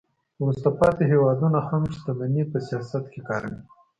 وروسته پاتې هیوادونه هم شتمني په سیاست کې کاروي